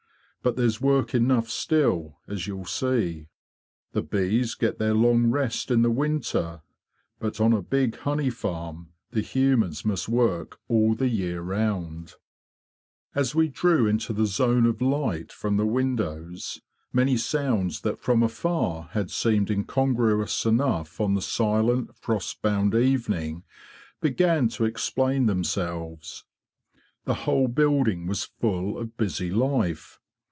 But there's work enough still, as you'll see. The bees get their long rest in the winter; but, on a big honey farm, the humans must work all the year round." 86 HARD TIMES FOR THE BEES WINTER WORK ON THE BEE FARM 8% As we drew into the zone of light from the windows, many sounds that from afar had seemed incongruous enough on the silent, frost bound evening began to explain themselves. The whole building was full of busy life.